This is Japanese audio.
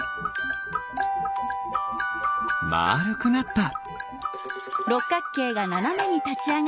まるくなった。